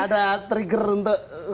ada trigger untuk